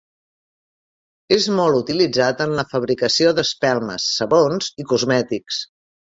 És molt utilitzat en la fabricació d'espelmes, sabons i cosmètics.